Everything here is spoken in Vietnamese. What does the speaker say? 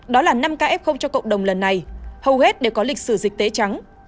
đó là năm kf cho cộng đồng lần này hầu hết đều có lịch sử dịch tế trắng